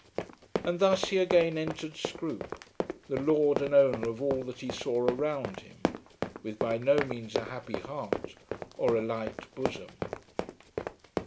And thus he again entered Scroope, the lord and owner of all that he saw around him, with by no means a happy heart or a light bosom.